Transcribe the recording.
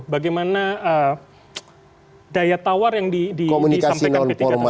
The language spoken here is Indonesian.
bagaimana daya tawar yang disampaikan p tiga tersebut